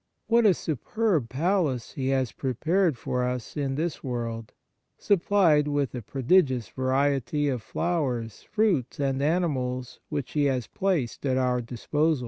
What a superb palace He has prepared for us in this world, supplied with a prodigious variety of flowers, fruits, and animals which He has placed at our disposal